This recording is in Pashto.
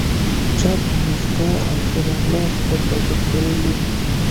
چا په موسکا او ښه راغلاست بدرګه کولو.